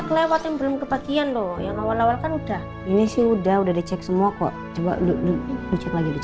kelewatin belum kebagian loh yang awal awal kan udah ini sih udah udah dicek semua kok coba dulu